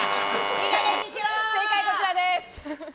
正解こちらです。